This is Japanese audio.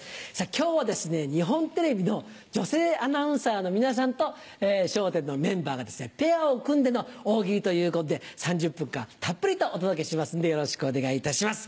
今日はですね日本テレビの女性アナウンサーの皆さんと『笑点』のメンバーがペアを組んでの大喜利ということで３０分間たっぷりとお届けしますのでよろしくお願いいたします。